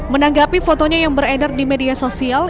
menanggapi fotonya yang beredar di media sosial